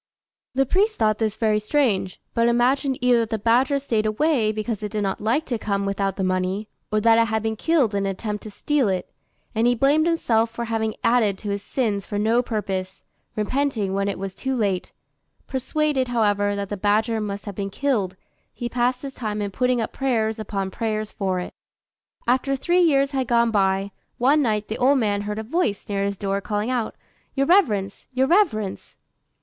The priest thought this very strange, but imagined either that the badger stayed away because it did not like to come without the money, or that it had been killed in an attempt to steal it; and he blamed himself for having added to his sins for no purpose, repenting when it was too late: persuaded, however, that the badger must have been killed, he passed his time in putting up prayers upon prayers for it. After three years had gone by, one night the old man heard a voice near his door calling out, "Your reverence! your reverence!"